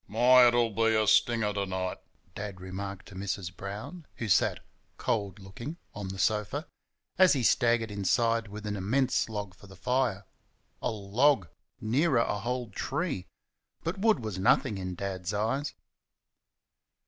"My! it'll be a stinger to night," Dad remarked to Mrs. Brown who sat, cold looking, on the sofa as he staggered inside with an immense log for the fire. A log! Nearer a whole tree! But wood was nothing in Dad's eyes.